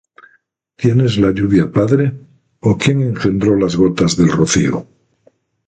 ¿Tiene la lluvia padre? ¿O quién engendró las gotas del rocío?